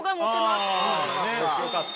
あよかった。